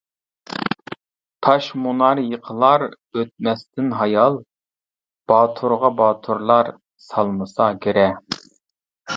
تاش مۇنار يىقىلار ئۆتمەستىن ھايال، باتۇرغا باتۇرلار سالمىسا گىرە.